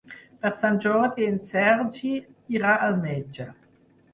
Per Sant Jordi en Sergi irà al metge.